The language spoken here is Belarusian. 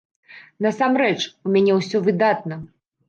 Насамрэч, у мяне ўсё выдатна!